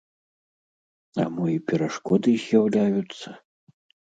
А мо і перашкоды з'яўляюцца?